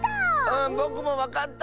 うんぼくもわかった！